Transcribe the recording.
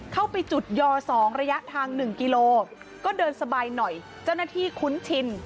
เข้าไปจุดยอ๒ระยะทาง๑กิโลก็เดินสบายหน่อยเจ้าหน้าที่คุ้นชิน